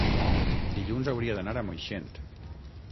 Dilluns hauria d'anar a Moixent.